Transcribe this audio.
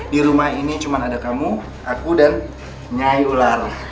di rumah ini cuma ada kamu aku dan nyai ular